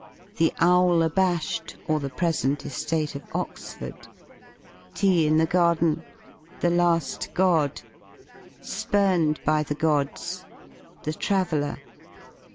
§ 'The owl abash 'd' or the present estate of Oxford. § Tea in the garden. § The la^ God. § Spurned by the gods. § The traveller.